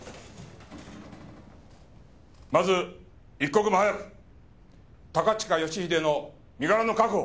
まず一刻も早く高近義英の身柄の確保。